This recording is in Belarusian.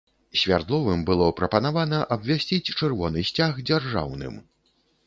Свярдловым было прапанавана абвясціць чырвоны сцяг дзяржаўным.